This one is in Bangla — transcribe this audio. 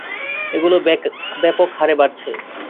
ওগুলো ব্যাপকহারে বাড়ছে।